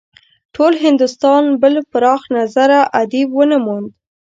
ټول هندوستان بل پراخ نظره ادیب ونه موند.